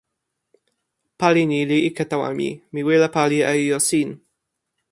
pali ni li ike tawa mi. mi wile pali e ijo sin.